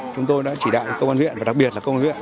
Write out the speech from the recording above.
chúng tôi đã chỉ đạo công an huyện và đặc biệt là công an huyện